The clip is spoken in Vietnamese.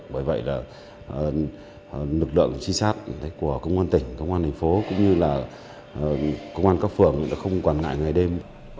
bởi vậy là lực lượng trinh sát của công an tỉnh công an thành phố cũng như là công an các phường không quản ngại ngày đêm